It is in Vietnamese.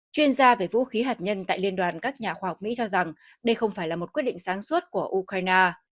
chuyên gia về vũ khí hạt nhân tại liên đoàn các nhà khoa học mỹ cho rằng đây không phải là một quyết định sáng suốt của ukraine